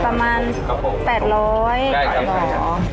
ประมาณ๘๐๐บาทเหรอ